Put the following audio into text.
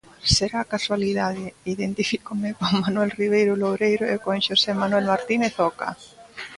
Será casualidade... Identifícome con Manoel Riveiro Loureiro e con Xosé Manuel Martínez Oca.